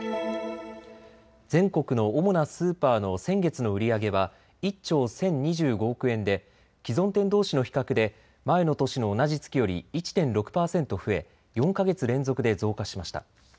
全国の主なスーパーの先月の売り上げは１兆１０２５億円で既存店どうしの比較で前の年の同じ月より１．６％増え４か月連続で増加しました。